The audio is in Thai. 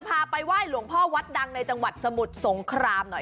เขาพาไปว่าให้หลงพ่อวัดดั่งในจังหวัดสมุทรสงครามหน่อย